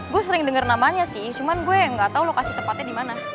gue sering denger namanya sih cuman gue gak tau lokasi tempatnya dimana